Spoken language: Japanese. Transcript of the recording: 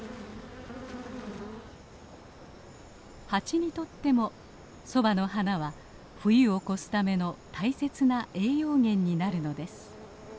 ハチにとってもソバの花は冬を越すための大切な栄養源になるのです。